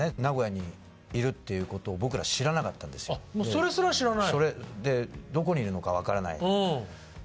それすら知らない。